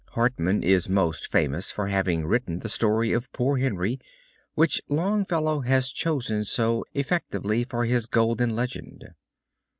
Hartman is most famous for having written the story of Poor Henry, which Longfellow has chosen so effectively for his Golden Legend.